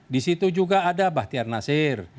di situ juga ada bahtiar nasir